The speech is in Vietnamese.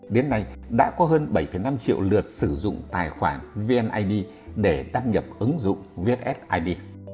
đến nay đã có hơn bảy năm triệu lượt sử dụng tài khoản vnid để đăng nhập ứng dụng vssid